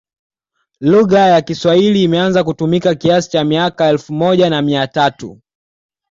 Lugha ya kiswahili imeanza kutumika kiasi cha miaka ya elfu moja na mia tatu